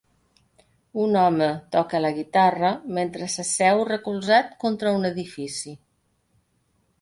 Un home toca la guitarra mentre s'asseu recolzat contra un edifici.